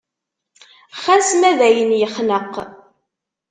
Xas ma dayen yexneq.